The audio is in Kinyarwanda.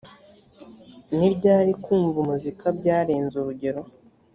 ni ryari kumva umuzika byarenza urugero